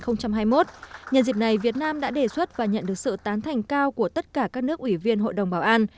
nhân dịp này việt nam đã đề xuất và nhận được sự tán thành cao của tất cả các nước ủy viên hội đồng bảo an